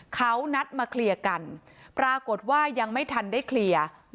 เขานัดมาเคลียร์กันปรากฏว่ายังไม่ทันได้เคลียร์